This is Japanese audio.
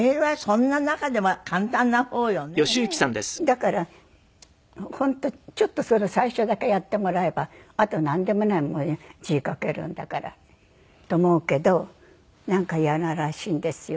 だから本当ちょっと最初だけやってもらえばあとなんでもない字書けるんだから。と思うけどなんか嫌ならしいんですよ。